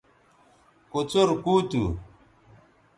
کوڅر کُو تھو